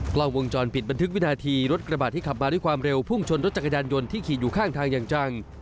กล้องวงจรปิดบันทึกวินาทีรถกระบาดที่ขับมาด้วยความเร็วพุ่งชนรถจักรยานยนต์ที่ขี่อยู่ข้างทางอย่างจัง